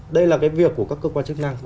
đây là cái việc của các cơ quan chức năng